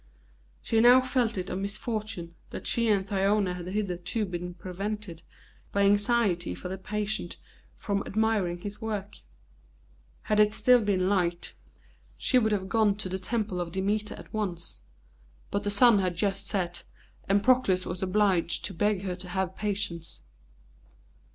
She now felt it a misfortune that she and Thyone had hitherto been prevented, by anxiety for their patient, from admiring his work. Had it still been light, she would have gone to the temple of Demeter at once; but the sun had just set, and Proclus was obliged to beg her to have patience.